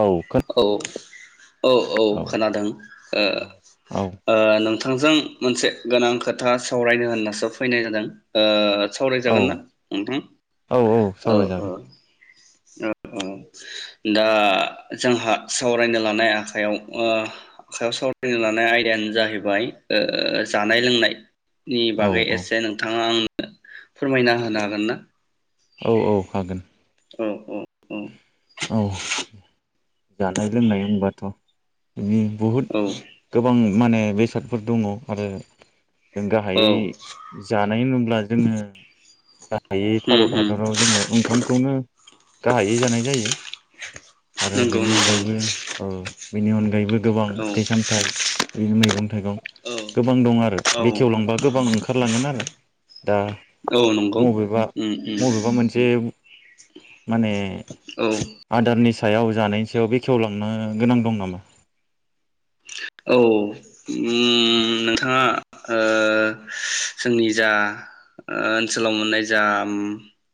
औ खोन औ औ औ खोनादों औ ओ नोंथांजों मोनसे गोनां खोथा सावरायनो होननासो फैनाय जादों ओ औ सावरायजागोन ना नोंथां? औ औ औ सावरायजागोन औ औ दा जोंहा सावरायनो लानाय आखायाव ओ आखायाव सावरायनो लानाय आयदायानो जाहैबाय ओ जानाय लोंनाय। नि औ बागै औ एसे नोंथाङा आं फोरमायना होनो हागोन ना? औ औ हागोन। औ औ औ औ। जानाय लोंनाय होनबाथ बि बहुद औ गोबां। माने बेसादफोर दङ आरो। जों गाहायै जानाय नुब्ला जोङो दायै होम भारत होम हादराव जोङो ओंखामखौनो गाहायै जानाय जायो। नंगौ बेनि नंगौ अनगायैबो ओ बेनि अनगायैबो गोबां औ फिथाइ सामथाइ बि मैगं थाइगं औ गोबां दं आरो औ बेखेवलांबा गोबां ओंखार ओखारलांगोन आरो। दा औ नंगौ उम उम बबेबा-बबेबा मोनसे माने औ आदारनि सा सायाव जानाय सायाव बेखेवलांनो गोनां दं नामा? औ ओम नोंथांङा ओ जोंनि जा ओनसोलाव मोननाय जा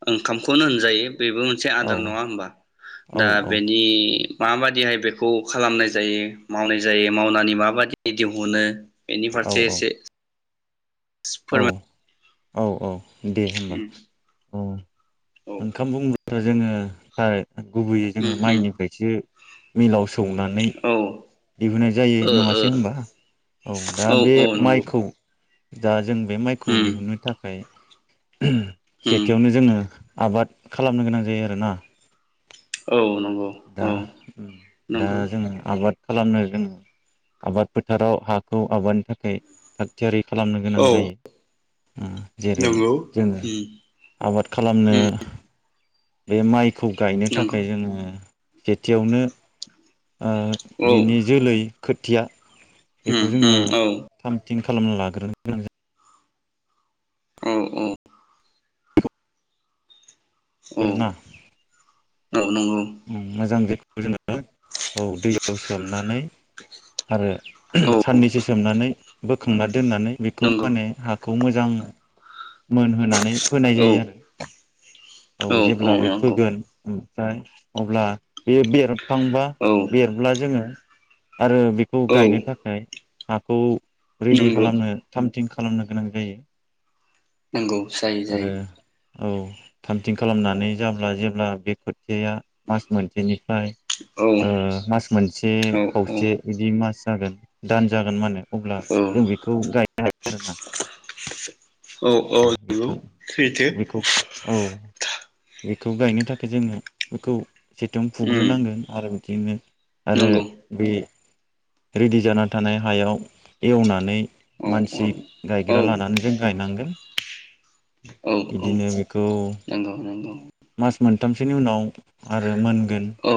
ओंखामखौनो होनजायो। बेबो मोनसे औ आदार नङा होमबा? औ दा बेनि माबाददिहाय बेखौ खालामनाय जायो मावनाय जायो? मावनानै माबायदि दिहुनो? बेनि औ फारसे एसे फोरमा औ-औ। दे होमबा अ औ ओंखाम बुं रो जोङो हाय गुबैयै उम जोङो उम माइनिफ्रायसो मिलाव सौनानै औ ओ दिहुनाय जायो ओ नङासै होनबा? औ दा बे औ नंगौ माइखौ दा जों बे माइखौ उम दिहुननो थाखाय उम सेथियावनो जोङो आबाद खालामनो गोनां जायो आरोना। औ नं दा दा जोङो आबाद खालामनो जोङो आबाद फोथाराव हाखौ आबादनि थाखाय थाग थियारि खालामनो गोनां औ जायो। ओ जेरै नंगौ जोङो उम आबाद खालामनो उम बे माइ खौ गायनो नंगौ थाखाय जोङो सेथियावनो आ बिनि जोलै खोथिया ओम ओम औ। थिम खालामना लाग्रोनो गोनां जा औ औ। औ। नंगौ उम मोजां जे [unintelligible] जोङो औ दैयाव सोमनानै आरो औ साननैसो सोमनानै बोखांना दोननानै बेखौ नंगौ माने हाख खौ मोजां मोनहोनानै फोनाय औ जायो आरो औ जेब्ला बे फोगोन ओम फाय अब्ला बे बेर खांबा औ बेरब्ला जोङो आरो बेखौ औ गायनो थाखाय हाखौ रेडि नंगौ खालामनो थामथिं खालामनो गोनां जायो। नोंगौ जाय जाय आरो औ थामथिं खालामनानै जाब्ला जेब्ला बे खोथिया मास मोनसेनि ओमफ्राय औ ओ मास मोनसे औ खावसे बिदि मास जागोन दान जागोन माने अब्ला जों बेखौ गायनो हायो आरोना औ औ नंगौ बेखो सैथो बेखौ औ बेखौ गायनो थाखाय जोङो बेखौ सेथुम उम फुग्रोनांगोन आरो [unintelligible] आरो नंगौ बे रेडि जाना थानाय हायाव एवनानै औ औ मानसि औ गायग्रा लानानै जों गायनांगोन औ औ बिदिनो बे नंगौ नंगौ मास मोनथामसोनि उनाव आरो मोन गोन औ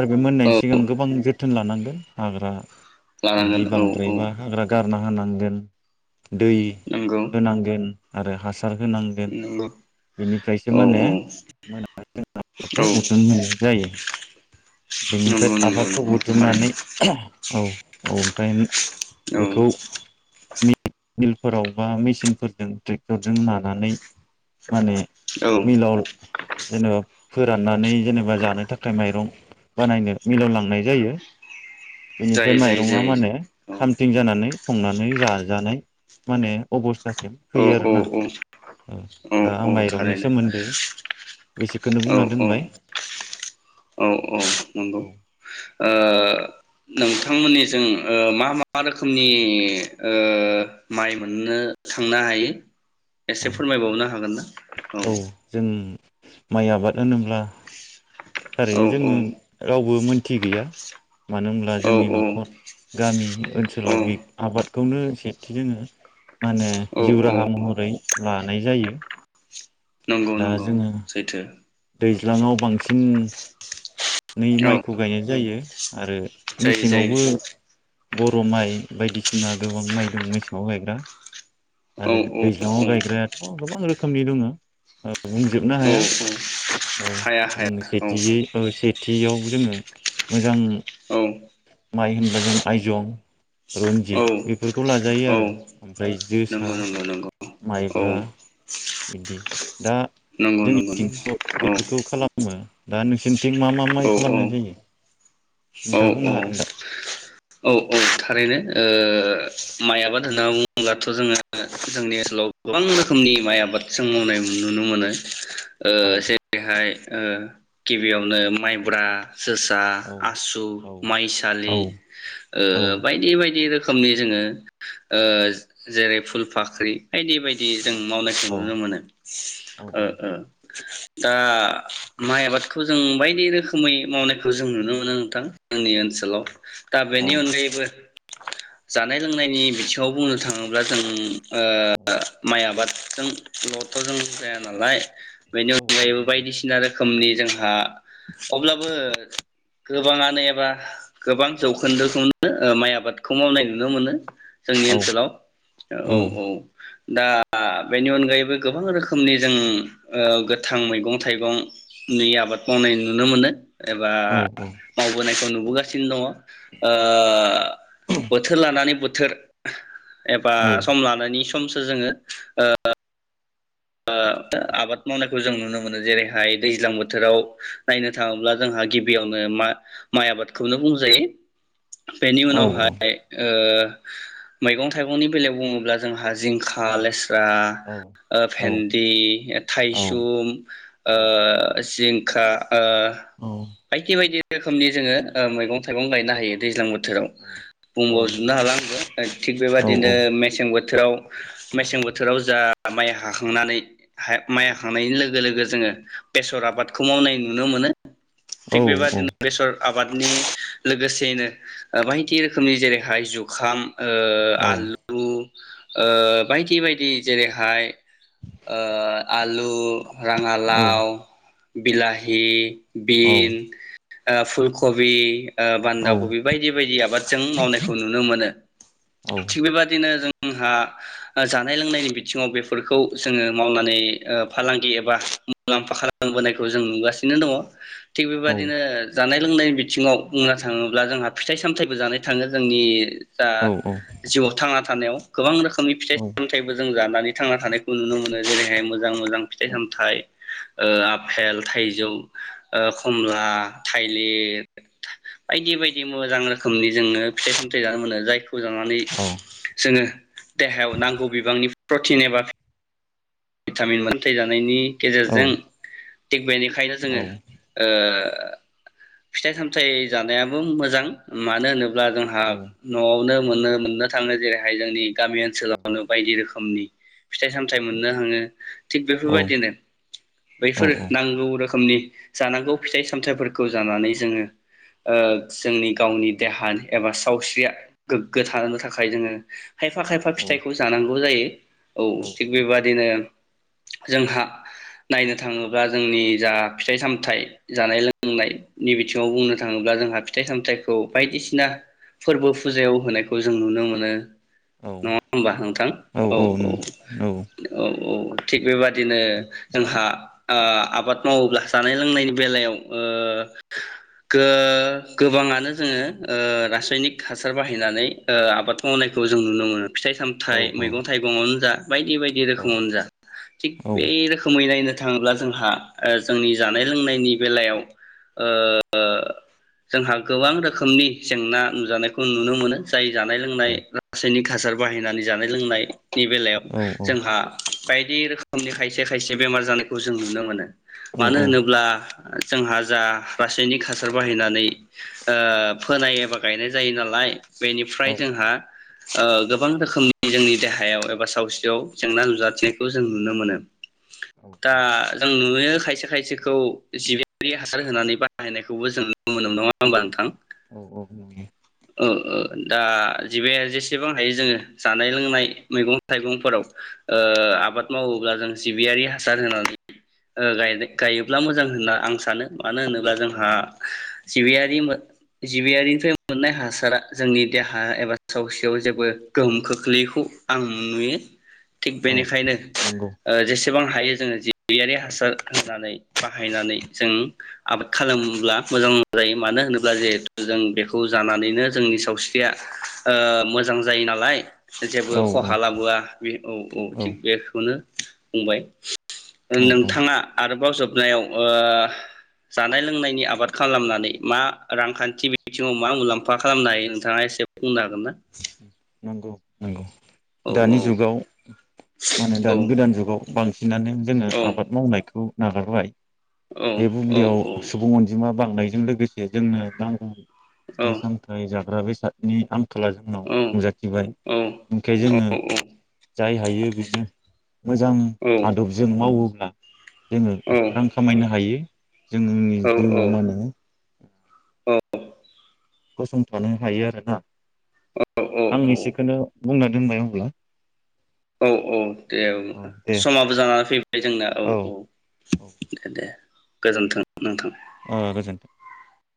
आरो बे औ मोननायनि सिगां गोबां जो थोन लानांगोन हाग्रा लानांगोन बिदि औ औ बांद्रायबा हाग्रा गारना हा नांगोन दै नंगौ होनांगोन आरो हास आर होनांगोन नंगौ बेनिफ्रायसो औ मा ने मोनानि आबादखौ औ बुथुम जायो बेनिफ्राय नंगौ नंगौ आबादखौ नंगौ बुथुमनानै थारैनो औ औ गायनो औ मिलफोराव बा मेसिनफोरजों ट्रे टरजों नानानै माने औ मिलाव जेनेबा फोराननानै जेनेबा जानो थाखाय माइरं बानायनो मिलावलांनाय जायो बेनिफ्राय जायो जायो माइरङा जायो माने थामथिं जानानै संनानै जाजानाय माने अबस थासिम औ फैयो आरो औ ना औ औ दा आं औ माइरंनि थारैनो सोमोन्दै बेसेखौनो औ बुंना औ दोनबाय औ औ नंगौ औ ओ नोंथांमोननि जों ओ मा मा रोखोमनि ओ माइ मोननो थांनो हायो एसे फोरमायबावनो हागोन ना औ माइ आबाद होनोब्ला औ थारैनो जोङो रावबो मोनथि गैया मानो होनब्ला औ जोंनि न'खर गामि औ ओनसोलाव बे आबाद खौनो सेथि जोङो माने औ जिउ औ राहा महरै लानाय जायो नंगौ दा नंगौ जोङो सैथो। दैज्लाङाव बांसिन नै औ माइखौ गायनाय जायो आरो जायो जायो मेसेंआवबो बर' माइ बायदिसि जोंना गोबां माइ दं मेसेङाव गायग्रा। औ आरो औ दैज्लांआव गायग्रायाथ' गोबां रोख रोखोमनि दोङो ओ औ औ हाया औ हाया औ सेथियै औ सेथियाव जोङो मोजां औ माइ होनब्ला जों आइजं रनजित औ बेफोरखौ लाजायो औ आरो ओमफ्राय जोसा नंगौ नंगौ नंगौ माइब्रा औ बिदि दा नंगौ जोंनि नंगौ बिथिं ओ नंगौ बेफोरखौ खालामो। दा नोंसि बिथिं मा मा माय औ औ खालामनाय जायो? औ नोंथाङा बुंनो औ हागोन दा औ औ थारैनो ओ ओ माइ आबाद होनना बुङोब्लाथ' जोङो जोंनि ओनसोलाव गोबां रोखोमनि माइ आबाद जों मावनाय नुनो मोनो। ओ औ जेरैहाय ओ‌ गिबियावनो माइब्रा जोसा औ आसु औ माइसालि ओ बायदि बायदि ओ रोख रोखोमनि जोङो ओ जेरै फुल फाख्रि बायदि बायदि औ जों मावनायखौ औ नुनो मोनो। औ ओ ओ दा माइ आबादखौ जों बायदि रोख खोमै मावनायखौ जों नुनो मोनो नोंथां। जोंनि ओनसोलाव दा औ बेनि अनगायैबो जानाय लोंनायनि बिथिङाव बुंनो थाङोब्ला जों औ माइ आबाद जों लथ' जों जाया नालाय बेनि औ अनगायैबो नंगौ बायदिसिना रोखोमनि जोंहा अब्लाबो गोबाङानो एबा गोबां जौखोन्दोखौनो माइ आबादखौ मावनाय नुनो मोनो। जोंनि औ ओनसोलाव औ नंगौ औ। दा बेनि अनगायैबो गोबां रोखोमनि जों ओ गोथां मैगं थाइगंनि आबाद मावनाय नुनो मोनो। एबा औ मावबोनायखौ नु बोगासिनो दङ। ओ बोथोर लानानै बोथोर [unintelligible] एबा सम लानानि स समसो जोङो ओ ओ आबाद मावनायखौ जों नुनो मोनो जेरैहाय दैज्लां बोथोराव नायनो थाङोब्ला जोंहा गिबियावनो मा-माइ आबादखौनो बुंजायो। बेनि औ उनावहाय ओ मैगं थाइगंनि बेलायाव बुङोब्ला जों हा जिंखा, लेस्रा औ ओ भेन्दि, थायसुम ओ जिंखा। ओ बायदि बायदि रोखोमनि जोङो ओ मैगं थाइगं गायनो हायो दैज्लां बो थोराव बुंबावजोबनो हाला आंबो थिक बेबादिनो मेसें बोथोराव मेसें बोथोराव जा माइ हाखां नुनानै माइया हाखांनायनि लोगो लोगो जोङो बेसर आबादखौ मावनाय नुनो मोनो। थिक बेबायदिनो बेसर आबाद [unintelligible] लोगोसेनो बायदि रोखोमनि जेरैहाय जुखाम। ओ आलु। ओ बायदि बायदि जेरैहाय। ओ आलु। राङा लाव। बिलाहि। बिन। ओ फुलकबि। ओ बान्दा कबि बायदि बायदि आबाद। जों मावनायखौ नुनो मोनो। थिग बेबादिनो जों। [unintelligible] हा जानाय लोंनायनि बिथिङाव बेफोरखौ जोङो मावनानै ओ फालांगि एबा मुलाम्फा खालामबोनायखौ जों नुगासिनो दङ। थिग बेबायदिनो जानाय लोंनायनि बिथिङाव बुंनो थाङोब्ला जोंहा फिथाइ सामथाइबो जानाय थाङो जोंनि दा जिउआव थाङा। थानायाव गोबां रोखोम नि फिथाइ सामथायबो जों [unintelligible] नै थांना थानाय। नुनो मोनो जेरैहाय मोजां मोजां फिथाइ सामथाइ। ओ आफेल थाइजौ ओ खमला थाइलिर बायदि बायदि मोजां रोखोमनि जोङो फिथाइ सामथाइ जानो मोनो जाय जानानै जोङो देहायाव नांगौ बिबांनि प्रटिन एबा भिटामिन मोनथाय जानायनि। गेजेरजों। थिग बेनिखायनो जोङो ओ फिथाइ सामथाइ जानायाबो मोजां मानो होनो जोंहा न'आवनो मोननो मोननो थाङो जेरैहाय जोंनि गामि ओनसोलावनो बायदि रोखोम खोमनि फिथाइ सामथाइ मोननो [unintelligible] थिग बेफोरबायदिनो बैफोर नांगौ रोखोमनि जानांगौ फिथाइ सामथायाइफोरखौ जानानै जोङो जोंनि गावनि देहानि एबा सावस्रिया गोग्गो थानो थाखाय जोङो खायफा खायफा फिथाइखौ जानांगौ जायो [inaudible] औ थिग बेबादिनो जोंहा नायनो थाङोब्ला जोंनि जा फिथाइ सामथाइ जानाय लोंनायनि बिथिङाव बुंनो थाङोब्ला जोंहा फिथाइ सामथाइखौ बायदिसिना फोरबो फुजायाव होनायखौ जों नुनो मोनो नङा होमबा नोंथां औ औ औ औ औ थिग बेबादिनो जोंहा ओ आबाद मावोब्ला जानाय लोंनायनि बेलायाव गो-गोबाङानो जोङो रासायनिक हासार बाहायनानै ओ आबाद मावनायखौ जों नुनो मोनो फिथाइ औ सामथाइ मैगं थाइगङावनो जा बायदि बायदि रोखोमावनो जा थिग बे रोखोमै नायनो थाङोब्ला जोंहा ओ जोंनि जानाय लोंनायनि बेलायाव ओ जोंहा गोबां रोखोमनि जेंना नुजानायखौ नुनो मोनो जाय जानाय लोंनाय रासायनिक हासार बाहायनानै जानाय लोंनायनि बेलायाव जोंहा बायदि रोखोमनि खायसे खायसे बेमार जानायखौ जों नुनो मोनो औ मानो होनोब्ला जोंहा जा रासायनिक हासार बाहायनानै फोनाय एबा गायनाय जायो नालाय बेनिफ्राय जोंहा ओ गोबां रोखोमनि जोंनि देहायाव एबा सावस्रि याव जेंना नुजाथिनायखौ जों नुनो मोनो दा जोंनो नुयो खायसे खायसेखौ जिबियारि हासार होनानै बाहायनायखौबो जों नु मोनो नङा होनबा नोंथां औ औ नुयो ओ ओ दा जिबाया जेसेबां हायो जोङो जानाय लोंनाय मैगं थाइगं फोराव ओ आबाद मावोब्ला जों जिबियारि हासार होनानै ओ गायोब्ला मोजां होनना आं सानो मानो होनोब्ला जोंहा औ जिबियारि जिबियारिनिफ्राय मोननाय हासारा जोंनि देहा एबा सावस्रियाव जेबो गोहोम खोख्लैखौ आं नुयो थिग औ बेनिखायनो नंगौ ओ जेसे - सेबां हायो जोङो जिगैयारि हासार होननानै बाहायनानै सेबां हायोजों आबाद खालामोब्ला मोजां जायो मानो होनोब्ला जिहेथु जों बेखौ जानानैनो जोंनि सावस्रिया मोजां जायो नालाय औ जेबो नंगौ औ खहा लाबोआ बे औ औ थिग बेखौनो बुंबाय औ औ नोंथाङा आरोबाव जोब नायाव ओ जानाय लोंनायनि आबाद खालामनानै मा रांखान्थि बिथिङाव मा मुलाम्फा खालामनो हायो नोंथाङा एसे बुंनो हागोन ना? नंगौ। नंगौ। औ दानि जुगाव मा होनो औ दानि गोदान जुगाव बांसिनानो जोङो औ आबाद मावनायखौ नागारबाय। औ बे औ बुब्लियाव सुबुं अनजिमा बांनाय जों लोगोसे [unintelligible] औ फिथाइ सामथ जादों [unintelligible] बेसादनि आं खाला जोंनाव औ नुजाथिबाय औ ओमखाय जोङो जाय हायो बेनो मोजां आदबजों मावोब्ला जोङो रां खामायनो हायो। जों जोंनि जिउआव मा होनो गसंथानो हायो आरो ना आं एसेखोनो बुंनानै दोनबाय अब्ला। औ औ दे अल्बा औ दे समाबो जानानै फैबाय जोंना औ औ ओ दे दे गोजोन्थों नोंथां। आ गोजोन्थों।